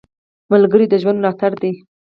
ملګری د ژوند ملاتړ دی